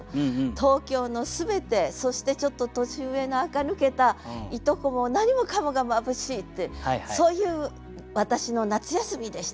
東京の全てそしてちょっと年上なあか抜けた従姉妹も何もかもが眩しいってそういう私の夏休みでした。